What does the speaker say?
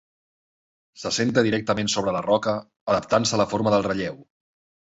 S'assenta directament sobre la roca, adaptant-se a la forma del relleu.